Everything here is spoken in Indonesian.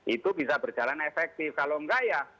itu bisa berjalan efektif kalau enggak ya